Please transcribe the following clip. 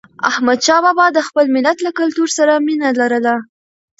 احمدشاه بابا د خپل ملت له کلتور سره مینه لرله.